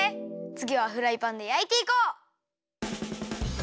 つぎはフライパンでやいていこう！